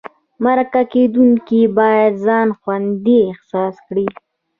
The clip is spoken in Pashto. مرکه کېدونکی باید ځان خوندي احساس کړي.